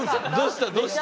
どうした？